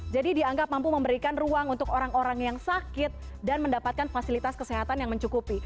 jadi dianggap mampu memberikan ruang untuk orang orang yang sakit dan mendapatkan fasilitas kesehatan yang mencukupi